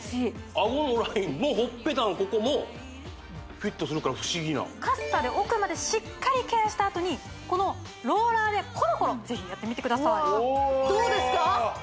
顎のラインもほっぺたのここもフィットするから不思議なカッサで奥までしっかりケアしたあとにこのローラーでコロコロぜひやってみてくださいどうですか？